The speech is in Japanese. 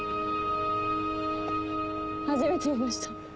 初めて見ました。